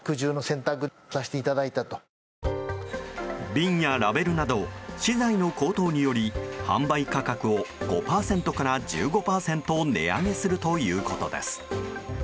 瓶やラベルなど資材の高騰により販売価格を５％から１５％値上げするということです。